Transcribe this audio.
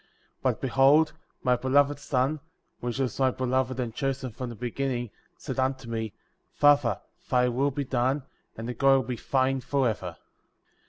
^ 2. But, behold, my Beloved Son,^ which was my Beloved and Chosen^' from the beginning,* said unto me — Father, thy will be done, and the glory be thine forever.